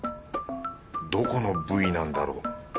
どこの部位なんだろう？